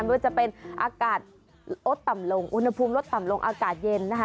ว่าจะเป็นอากาศลดต่ำลงอุณหภูมิลดต่ำลงอากาศเย็นนะคะ